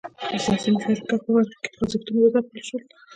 د سیاسي مشارکت په برخه کې خوځښتونه وځپل شول.